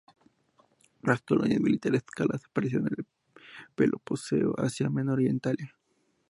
Las colonias militares eslavas aparecieron en el Peloponeso, Asia Menor y en Italia.